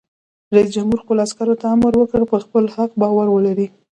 رئیس جمهور خپلو عسکرو ته امر وکړ؛ پر خپل حق باور ولرئ!